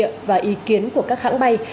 về máy bay nội địa và ý kiến của các hãng bay